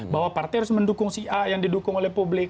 bahwa partai harus mendukung si a yang didukung oleh publik